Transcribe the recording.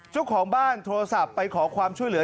เจ้าของบ้านโทรศัพท์ไปขอความช่วยเหลือ